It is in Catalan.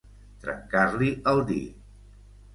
Trencar-li el dir.